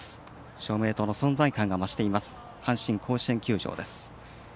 照明塔の存在感が増しています阪神甲子園球場です。